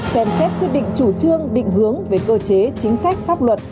xem xét quyết định chủ trương định hướng về cơ chế chính sách pháp luật